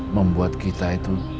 membuat kita itu